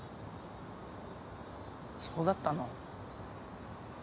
そうだったの。